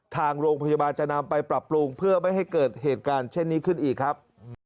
ทางโรงพยาบาลจะนำไปปรับปรุงเพื่อไม่ให้เกิดเหตุการณ์เช่นนี้ขึ้นอีกครับ